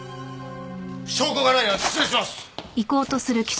証拠がないなら失礼します！